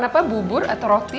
sarapan apa bubur atau roti